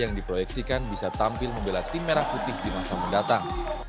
yang diproyeksikan bisa tampil membela tim merah putih di masa mendatang